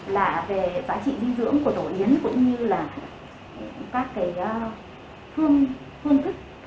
là về giá trị dinh dưỡng của tổ yến cũng như là các cái hương thức